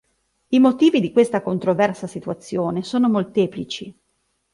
I motivi di questa controversa situazione sono molteplici.